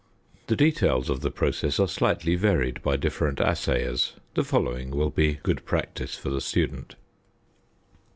The details of the process are slightly varied by different assayers: the following will be good practice for the student.